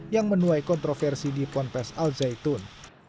yang menuai kontroversi di pondok pesantren al zaitun